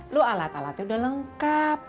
lo alat alatnya udah lengkap